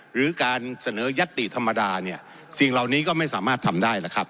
หรือการเสนอยัตติธรรมดาเนี่ยสิ่งเหล่านี้ก็ไม่สามารถทำได้ล่ะครับ